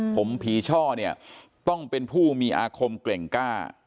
ผมผีช่อเนี่ยต้องเป็นผู้มีอาคมเกร็งกล้า